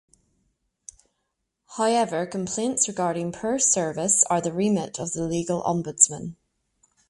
However complaints regarding poor service are the remit of the Legal Ombudsman.